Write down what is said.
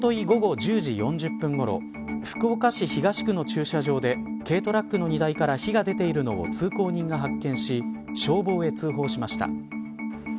午後１０時４０分ごろ福岡市東区の駐車場で軽トラックの荷台から火が出ているのを通行人が発見し消防へ通報しました。